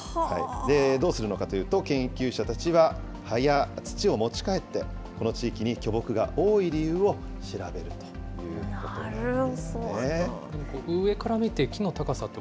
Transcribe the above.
どうするのかというと、研究者たちは葉や土を持ち帰って、この地域に巨木が多い理由を調べるということです。